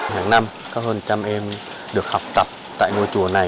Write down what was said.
hàng năm có hơn trăm em được học tập tại ngôi chùa này